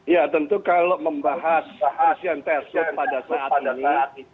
ya tentu kalau membahas presiden tresol pada saat ini